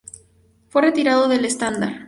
Fue retirado del estándar.